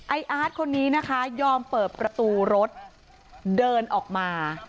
อาร์ตคนนี้นะคะยอมเปิดประตูรถเดินออกมา